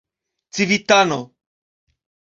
civitano